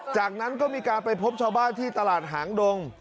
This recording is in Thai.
จากนั้นก็มีการไปพบชาวบ้านที่ตลาดหางดง